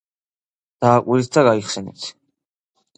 დააკვირდით და გაიხსენეთ